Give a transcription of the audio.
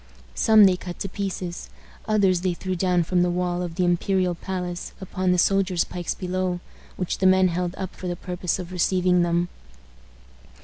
Some they cut to pieces. Others they threw down from the wall of the imperial palace upon the soldiers' pikes below, which the men held up for the purpose of receiving them.